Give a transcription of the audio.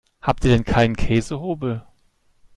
Habt ihr denn keinen Käsehobel?